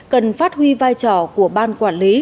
cần phát huy vai trò của ban quản lý